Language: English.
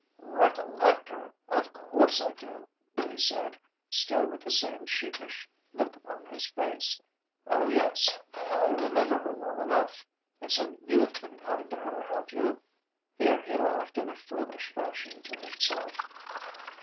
"Recollect her? of course I do," he said, still with the same sheepish look upon his face. "Oh yes, I remember her well enough. And so you've been kind to her, have you?" Here he laughed in a foolish fashion to himself.